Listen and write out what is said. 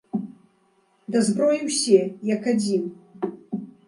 Да зброі ўсе, як адзін!